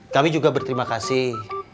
kami juga berterima kasih